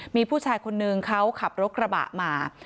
มีผู้ชายคนนึงเขาขับรถกระบะมา